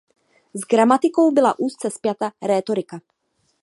S gramatikou byla úzce spjata rétorika.